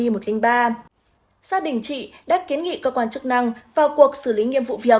gia đình chị đã kiến nghị cơ quan chức năng vào cuộc xử lý nghiêm vụ việc